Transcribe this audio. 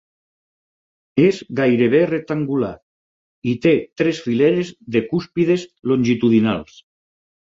És gairebé rectangular i té tres fileres de cúspides longitudinals.